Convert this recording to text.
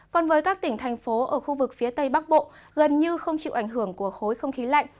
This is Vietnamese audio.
còn với các tỉnh thành phố ở khu vực phía tây bắc bộ gần như không chịu ảnh hưởng của khối không khí lạnh